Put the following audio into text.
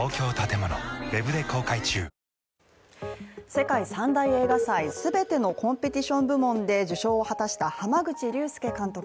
世界三大映画祭全てのコンペティション部門で受賞を果たした濱口竜介監督。